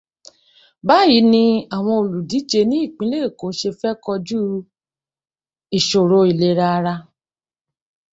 Báyìí ni àwọn olùdíje ní ìpínlẹ̀ Eko ṣe fẹ́ kojú ìṣòro ìlera ara.